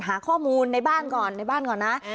หาข้อมูลในบ้านก่อนในบ้านก่อนนะ